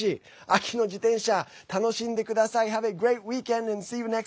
秋の自転車、楽しんでください。